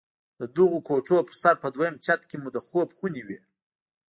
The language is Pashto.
د دغو کوټو پر سر په دويم چت کښې مو د خوب خونې وې.